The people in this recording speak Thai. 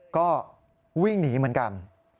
ก็วิ่งหนีเหมือนกัน